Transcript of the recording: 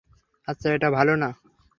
আচ্ছা, এটা ভালো না?